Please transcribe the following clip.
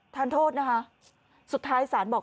ทานโทษนะคะสุดท้ายศาลบอก